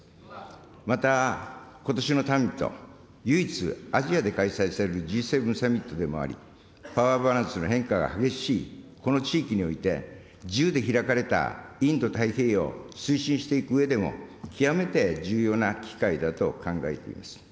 また、ことしのサミット、唯一アジアで開催されるＧ７サミットでもあり、パワーバランスの変化が激しいこの地域において、自由で開かれたインド太平洋を推進していくうえでも、極めて重要な機会だと考えています。